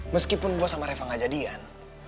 meskipun gue sama reva gak jadian